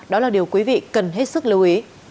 đó là điều quý vị cần hết sức lưu ý